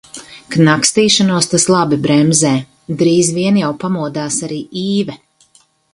Knakstīšanos tas labi bremzē. Drīz vien jau pamodās arī Īve.